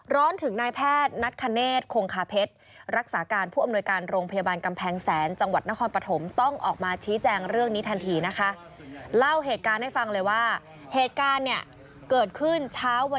ร้อนถึงนายแพทย์ณัฐคณ์เนตโครงคาเพชร